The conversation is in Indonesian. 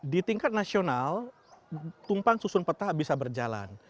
di tingkat nasional tumpang susun petah bisa berjalan